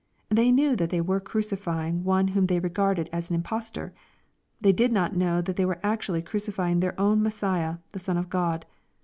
They knew that they were cr icifying one whom they regarded as an imposter. They did not know that they were actually crucifying their own Mes siah, the Son of God.